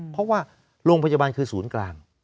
เพราะว่าโรงพยาบาลคือศูนย์กลาง